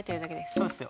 そうっすよ。